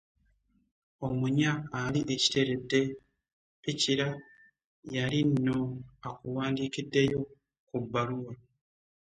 Omunya ali e Kiteredde-Bikira yali nno akuwandiikiddeyo ku bbaluwa?